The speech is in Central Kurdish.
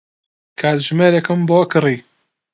کاتژمێرێکم بۆ کڕی.